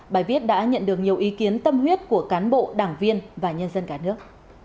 bài viết đã nhận được nhiều ý kiến tâm huyết của cán bộ đảng viên và nhân dân cả nước